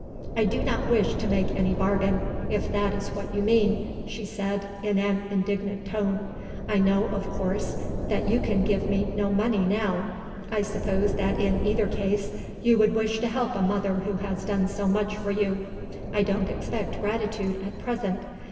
"I do not wish to make any bargain, if that is what you mean," she said in an indignant tone. "I know, of course, that you can give me no money now. I suppose that in either case you would wish to help a mother who has done so much for you. I don't expect gratitude at present.